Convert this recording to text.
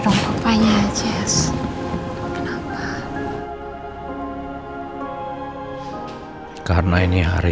udah lama sih tapi